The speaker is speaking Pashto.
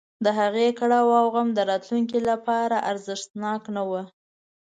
د هغې کړاو او غم د راتلونکي لپاره ارزښتناک نه و.